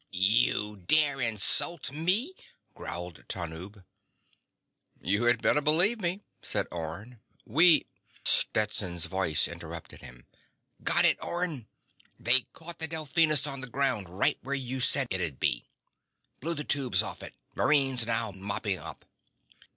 _ "You dare insult me!" growled Tanub. "You had better believe me," said Orne. "We—" Stetson's voice interrupted him: "Got it, Orne! They caught the Delphinus _on the ground right where you said it'd be! Blew the tubes off it. Marines now mopping up."